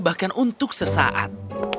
bahkan untuk sesaat